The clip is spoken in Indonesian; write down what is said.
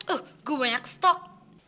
eh gue banyak stok